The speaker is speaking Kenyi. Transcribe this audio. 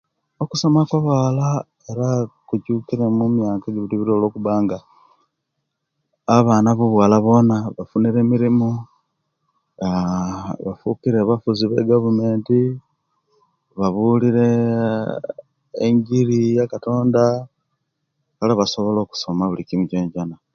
Okusoma okwabawala era kucukire omumyaka ejibitirewo kubanga abaana bobuwala bona bafunire emirimu, aaa bafukire bakozi begavumenti babulira enjiri yakatonda kale basobola okusoma buli kimu kyonkoyona